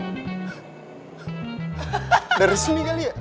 udah resmi kali ya